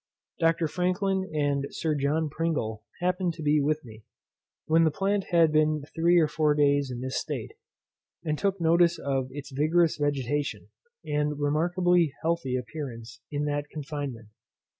Dr. Franklin and Sir John Pringle happened to be with me, when the plant had been three or four days in this state, and took notice of its vigorous vegetation, and remarkably healthy appearance in that confinement.